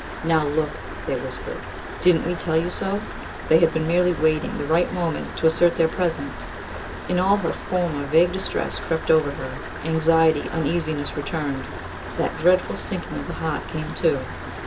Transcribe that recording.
"Now look!" they whispered, "didn't we tell you so?" They had been merely waiting the right moment to assert their presence. And all her former vague distress crept over her. Anxiety, uneasiness returned. That dreadful sinking of the heart came too.